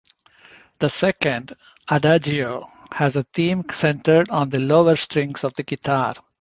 The second, "adagio", has a theme centered on the lower strings of the guitar.